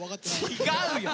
違うよ！